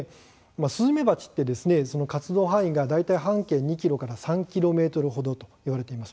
スズメバチは大体活動範囲が半径２ｋｍから３ｋｍといわれています。